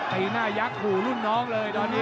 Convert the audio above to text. ตีหน้ายักษ์ขู่รุ่นน้องเลยตอนนี้